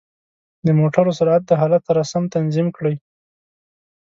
د موټرو سرعت د حالت سره سم تنظیم کړئ.